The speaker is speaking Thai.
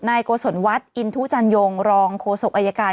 นายกาวศรวัชน์อินทุ๊จันยงรองโคศกอายการ